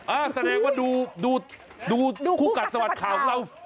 อ้าวแสดงว่าดูดูคู่กัดสวัสดิ์ข่าว